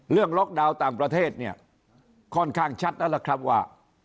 ล็อกดาวน์ต่างประเทศเนี่ยค่อนข้างชัดแล้วล่ะครับว่า